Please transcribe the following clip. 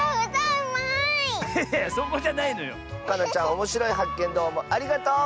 おもしろいはっけんどうもありがとう。